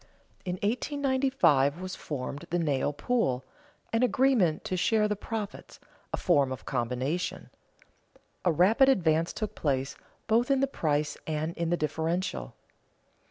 In 1895 was formed the nail pool, an agreement to share the profits, a form of combination. A rapid advance took place, both in the price and in the differential.